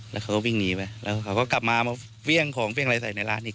แล้วเขาก็วิ่งหนีไปแล้วเขาก็กลับมามาเวี่ยงของเครื่องอะไรใส่ในร้านอีก